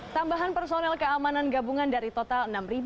tambahan personel keamanan gabungan dari total enam